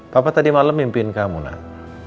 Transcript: papa tadi malam mimpin kamu nak